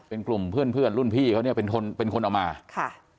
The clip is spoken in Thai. เป็นกลุ่มเพื่อนเพื่อนรุ่นพี่เขาเนี่ยเป็นคนเป็นคนเอามาค่ะ